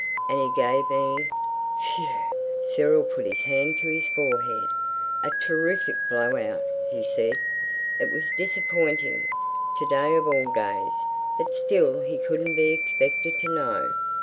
And he gave me—phew"—Cyril put his hand to his forehead—"a terrific blow out," he said. It was disappointing—to day of all days. But still he couldn't be expected to know.